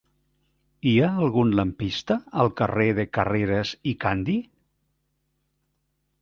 Hi ha algun lampista al carrer de Carreras i Candi?